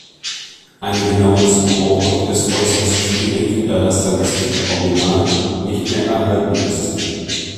Eine genaue Zuordnung ist äußerst schwierig, da das Sanskrit-Original nicht mehr erhalten ist.